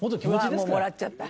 わあもうもらっちゃった。